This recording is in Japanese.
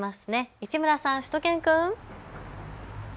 市村さん、しゅと犬くん。